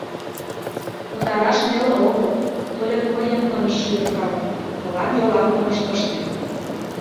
Пытараш неле огыл, тольык мыйым ынышт шӱдыркале, мылам йолам ынышт ыште...